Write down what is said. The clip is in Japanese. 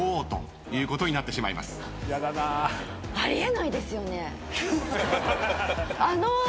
あり得ないですよね。